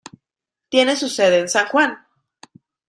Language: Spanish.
Tiene su sede en San Juan.